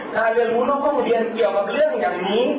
การเรียนรู้ต้องเข้าไปเรียนเกี่ยวกับเรื่องอย่างนี้